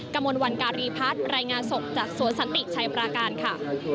กระมวลวันการีพัฒน์รายงานสดจากสวนสันติชัยปราการค่ะ